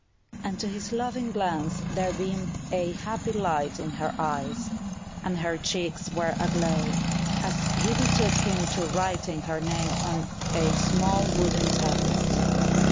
And to his loving glance there beamed a happy light in her eyes, and her cheeks were aglow, as he betook him to writing her name on a small wooden tablet.